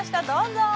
どうぞ。